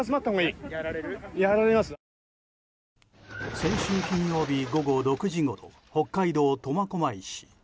先週金曜日午後６時ごろ北海道苫小牧市。